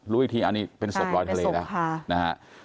รู้อีกทีอันนี้เป็นศพรอยทะเลนะ